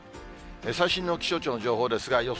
最新の気象庁の情報ですが、予想